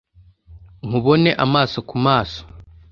Nkubone amaso ku maso